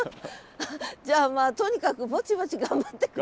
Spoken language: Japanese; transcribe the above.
じゃあまあとにかくぼちぼち頑張って下さい。